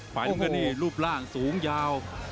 ฝ่ายน้ำเงินนี่รูปร่างสูงยาว